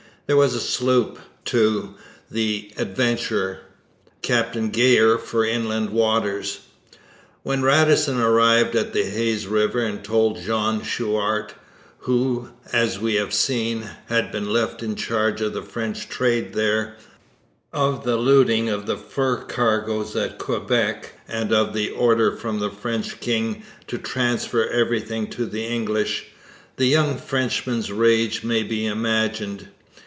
There was a sloop, too, the Adventure Captain Geyer for inland waters. When Radisson arrived at the Hayes river and told Jean Chouart who, as we have seen, had been left in charge of the French trade there of the looting of the fur cargoes at Quebec and of the order from the French king to transfer everything to the English, the young Frenchman's rage may be imagined.